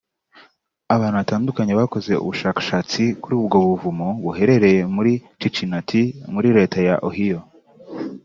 Abantu batandukanye bakoze ubushakashatsi kuri ubwo buvumo buherereye mu ka Cincinnati muri Leta ya Ohio